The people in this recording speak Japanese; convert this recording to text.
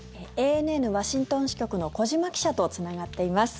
ＡＮＮワシントン支局の小島記者とつながっています。